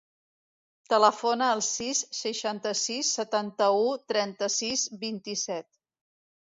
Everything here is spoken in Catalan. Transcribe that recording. Telefona al sis, seixanta-sis, setanta-u, trenta-sis, vint-i-set.